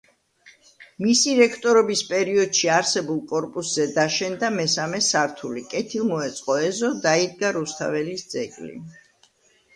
მისი რექტორობის პერიოდში არსებულ კორპუსზე დაშენდა მესამე სართული, კეთილმოეწყო ეზო, დაიდგა რუსთაველის ძეგლი.